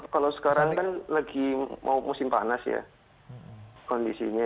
kalau sekarang kan lagi mau musim panas ya kondisinya